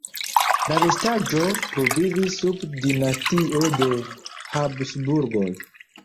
La restaĵo pluvivis sub dinastio de Habsburgoj.